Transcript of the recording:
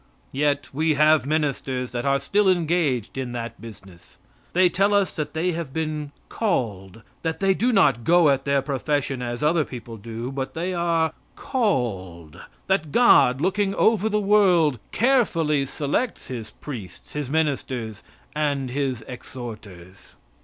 Yet we have ministers that are still engaged in that business. They tell us that they have been "called;" that they do not go at their profession as other people do, but they are "called;" that God, looking over the world, carefully selects His priests, His ministers, and His exhorters.